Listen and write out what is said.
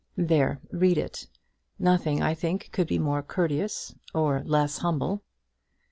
There; read it. Nothing, I think, could be more courteous or less humble."